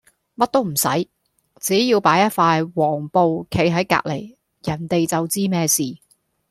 乜都唔洗，只要擺一塊黃布企係隔黎，人地就知咩事。